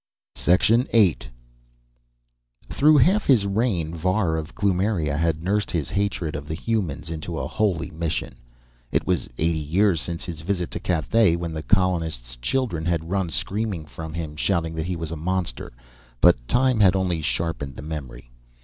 VIII Through half his reign, Var of Kloomiria had nursed his hatred of the humans into a holy mission. It was eighty years since his visit to Cathay, when the colonists' children had run screaming from him, shouting that he was a monster, but time had only sharpened the memory.